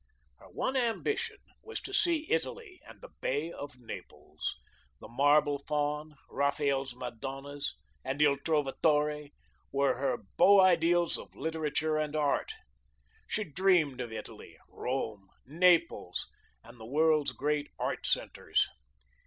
Her one ambition was to see Italy and the Bay of Naples. The "Marble Faun," Raphael's "Madonnas" and "Il Trovatore" were her beau ideals of literature and art. She dreamed of Italy, Rome, Naples, and the world's great "art centres."